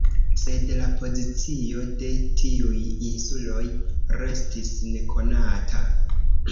Sed la pozicio de tiuj insuloj restis nekonata.